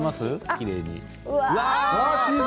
きれいに。